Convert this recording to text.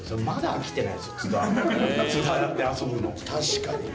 確かにね。